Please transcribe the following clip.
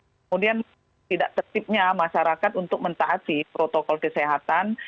nah kemudian tidak ketipnya masyarakat untuk mentaati protokol kesehatan